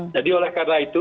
jadi oleh karena itu